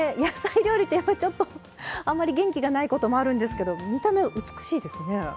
野菜料理ってやっぱりちょっとあまり元気がないこともあるんですけど見た目美しいですね。